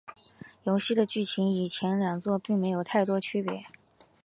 游戏的剧情与前两作并没有太多区别。